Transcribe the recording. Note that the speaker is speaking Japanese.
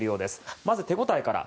まずは手応えから。